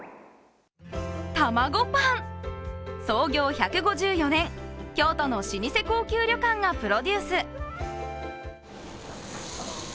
創業１５４年、京都の老舗高級旅館がプロデュース。